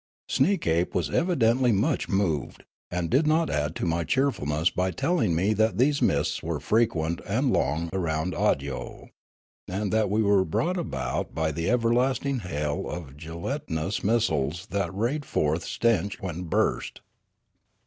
Sneekape was evid ently much moved, and did not add to my cheerful ness by telling me that these mists were frequent and long around Awdyoo ; and that they were brought about by the everlasting hail of gelatinous missiles that rayed forth stench when burst.